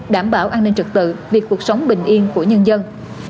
đảm bảo an ninh trực tự việc cuộc sống bình yên của nhân dân